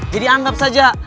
jadi anggap saja